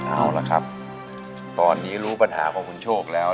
เอาละครับตอนนี้รู้ปัญหาของคุณโชคแล้ว